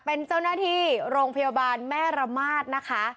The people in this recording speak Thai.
เป็นเจ้าหน้าที่โรงพยาบาลแม่ระมาทนะคะ